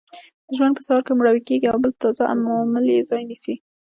د ژوند په سهار کې مړاوې کیږي او بل تازه عامل یې ځای نیسي.